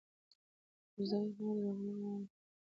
پر ځاى احمد راغلهووايو